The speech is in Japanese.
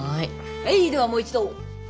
はいではもう一度！